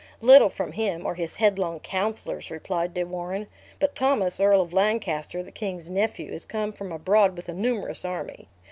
"Little from him, or his headlong counselors," replied De Warenne; "but Thomas Earl of Lancaster, the king's nephew, is come from abroad with a numerous army.